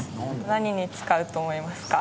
何に使うと思いますか？